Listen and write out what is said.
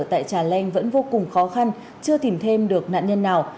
tại trà leng vẫn vô cùng khó khăn chưa tìm thêm được nạn nhân nào